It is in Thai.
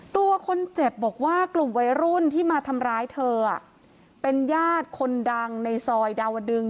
ตัวคนเจ็บบอกว่ากลุ่มวัยรุ่นที่มาทำร้ายเธอเป็นญาติคนดังในซอยดาวดึง